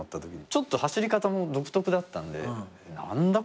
ちょっと走り方も独特だったんで何だ！？